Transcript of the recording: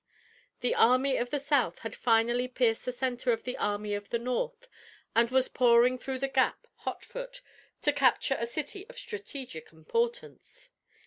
The Army of the South had finally pierced the center of the Army of the North, and was pouring through the gap, hot foot, to capture a city of strategic importance.